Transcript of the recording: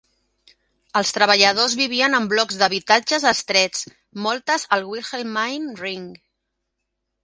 Els treballadors vivien en blocs d'habitatges estrets, moltes al Wilhelmine Ring.